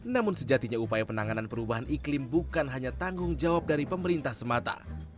namun sejatinya upaya penanganan perubahan iklim bukan hanya tanggung jawab dari pemerintah semata